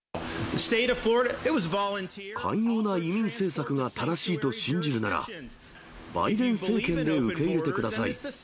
寛容な移民政策が正しいと信じるなら、バイデン政権で受け入れてください。